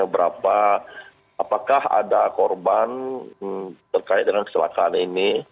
berapa apakah ada korban terkait dengan kecelakaan ini